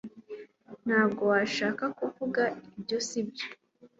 Ntabwo washakaga kuvuga ibyo sibyo